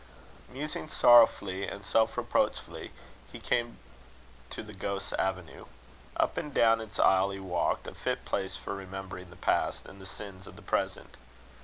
Musing sorrowfully and self reproachfully, he came to the Ghost's Avenue. Up and down its aisle he walked, a fit place for remembering the past, and the sins of the present.